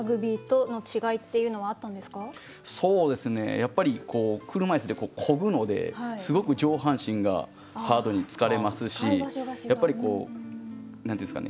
やっぱり車いすで漕ぐのですごく上半身がハードに疲れますしやっぱりこう何て言うんですかね